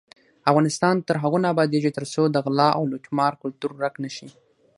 افغانستان تر هغو نه ابادیږي، ترڅو د غلا او لوټمار کلتور ورک نشي.